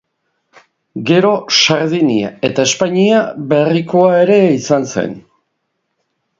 Gero Sardinia eta Espainia Berrikoa ere izan zen.